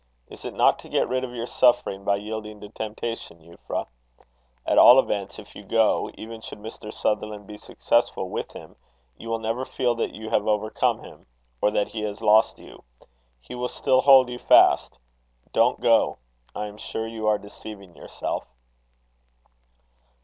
Is it not to get rid of your suffering by yielding to temptation, Euphra? At all events, if you go, even should Mr. Sutherland be successful with him, you will never feel that you have overcome him, or he, that he has lost you. He will still hold you fast. Don't go. I am sure you are deceiving yourself."